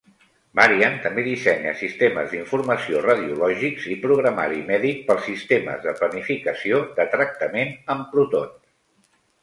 Varian també dissenya sistemes d"informació radiològics i programari mèdic pels sistemes de planificació de tractament amb protons.